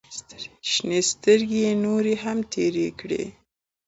شنې سترګې يې نورې هم تېرې کړې.